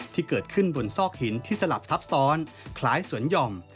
ที่เกิดขึ้นบนซอกหินที่สลับซับซ้อนคล้ายสวนหย่อม